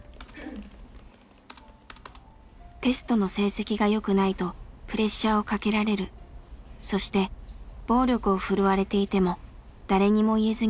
「テストの成績が良くないとプレッシャーをかけられるそして暴力を振るわれていても誰にも言えずにいる」という内容でした。